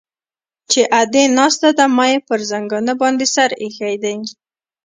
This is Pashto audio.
چې ادې ناسته ده ما يې پر زنګانه باندې سر ايښى دى.